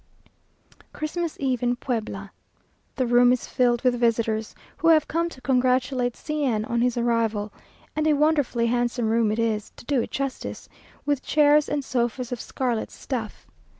Christmas eve in Puebla! The room is filled with visitors, who have come to congratulate C n on his arrival, and a wonderfully handsome room it is, to do it justice, with chairs and sofas of scarlet stuff.